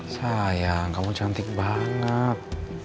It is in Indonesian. sayang kamu cantik banget